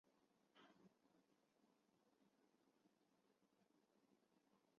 让人民群众感受到司法办案的理性平和、客观公正